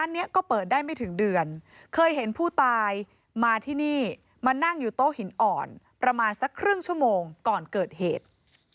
นี่มันนั่งอยู่โต๊ะหินอ่อนประมาณสักครึ่งชั่วโมงก่อนเกิดเหตุ